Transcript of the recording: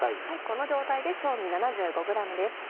この状態で正味７５ｇです。